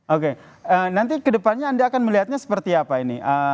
oke nanti kedepannya anda akan melihatnya seperti apa ini